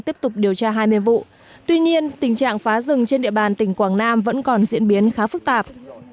tuy nhiên tình trạng phá rừng trên địa bàn tỉnh quảng nam vẫn còn diễn biến khá phức tạp